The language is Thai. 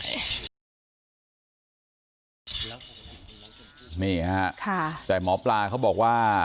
นี่ฮะค่ะแต่หมอปลาเขาบอกว่า